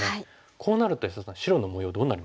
こうなると安田さん白の模様どうなりました？